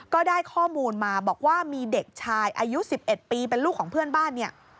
ก็ได้ข้อมูลมาบอกว่ามีเด็กชายอายุ๑๑ปีเป็นลูกของเพื่อนบ้านเนี่ย